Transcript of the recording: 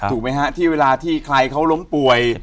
ถูกไหมฮะที่เวลาที่ใครเขาล้มป่วย